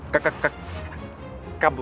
ke ke ke kabur